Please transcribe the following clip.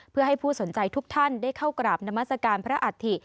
เพื่อให้ผู้สนใจทุกท่านได้เข้ากราบนามัศกาลพระอัฐิ